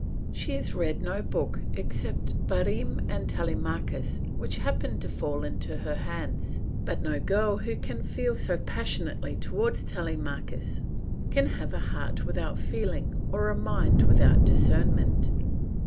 She has read no book but Bareme and Telemachus which happened to fall into her hands; but no girl who can feel so passionately towards Telemachus can have a heart without feeling or a mind without discernment.